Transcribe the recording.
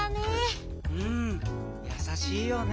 うんやさしいよね。